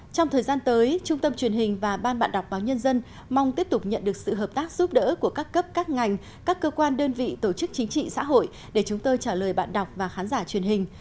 trong thời gian tới trung tâm truyền hình và ban bạn đọc báo nhân dân mong tiếp tục nhận được sự hợp tác giúp đỡ của các cấp các ngành các cơ quan đơn vị tổ chức chính trị xã hội để chúng tôi trả lời bạn đọc và khán giả truyền hình